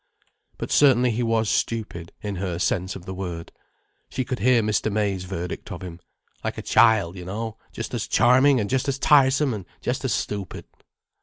But certainly he was stupid, in her sense of the word. She could hear Mr. May's verdict of him: "Like a child, you know, just as charming and just as tiresome and just as stupid."